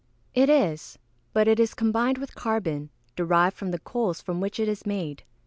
_ It is; but it is combined with carbon, derived from the coals from which it is made.